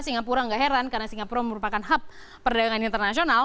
singapura nggak heran karena singapura merupakan hub perdagangan internasional